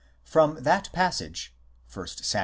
From that passage (1 Sam.